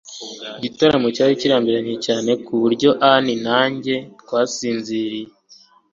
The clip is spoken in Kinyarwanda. igitaramo cyari kirambiranye kuburyo ann na njye twasinziriye